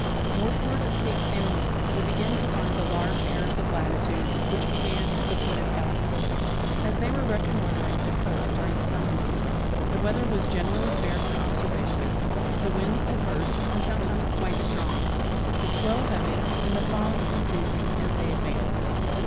Northward of cape San Lucas we begin to find the large errors of latitude which began at the " Point of California." As they were reconnoitering the coast during the summer months, the weather was generally fair for observation, the winds adverse and sometimes quite strong, the swell heavy, and the fogs in creasing as they advanced.